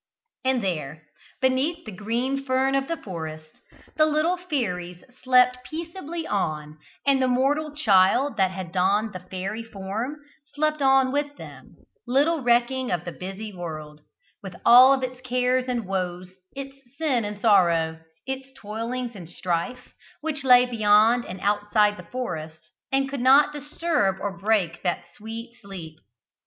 And there, beneath the green fern of the forest, the little fairies slept peaceably on, and the mortal child that had donned the fairy form slept on with them, little recking of the busy world, with all its cares and woes, its sin and sorrow, its toilings and strife, which lay beyond and outside the forest, and could not disturb or break that sweet sleep.